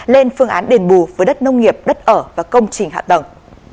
lên phương án đền bù với đất nông nghiệp đất ở và công trình hạ tầng